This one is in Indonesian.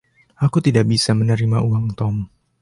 Aku tidak bisa menerima uang Tom.